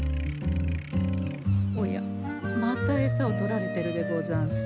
おやまたエサを取られてるでござんす。